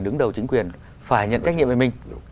đứng đầu chính quyền phải nhận trách nhiệm về mình